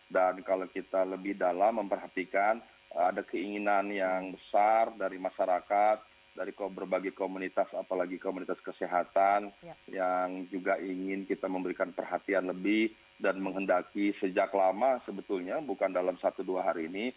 dan kalau kita lebih dalam memperhatikan ada keinginan yang besar dari masyarakat dari berbagai komunitas apalagi komunitas kesehatan yang juga ingin kita memberikan perhatian lebih dan menghendaki sejak lama sebetulnya bukan dalam satu dua hari ini